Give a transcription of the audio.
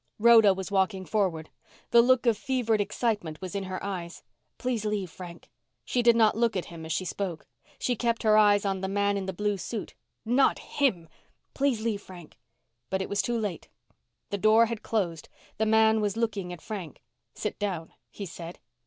Rhoda was walking forward. The look of fevered excitement was in her eyes. "Please leave, Frank." She did not look at him as she spoke. She kept her eyes on the man in the blue suit. "Not him!" "Please leave, Frank." But it was too late. The door had closed. The man was looking at Frank. "Sit down," he said.